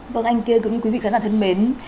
vâng anh kiên quý vị khán giả thân mến